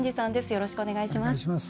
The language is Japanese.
よろしくお願いします。